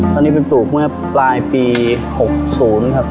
ตอนนี้เป็นปลูกเมื่อปลายปี๖๐ครับ